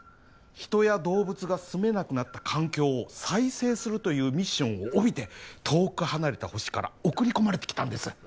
人や動物が住めなくなった環境を再生するというミッションを帯びて遠く離れた星から送り込まれてきたんです